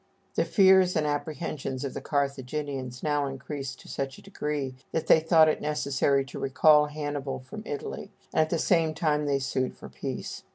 The fears and apprehensions of the Carthaginians now increased to such a degree that they thought it necessary to recall Hannibal from Italy, and at the same time they sued for peace.